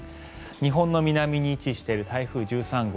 日本の南に位置している台風１３号